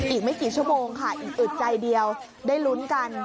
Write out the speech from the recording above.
อีกไม่กี่ชั่วโมงค่ะอีกอึดใจเดียวได้ลุ้นกัน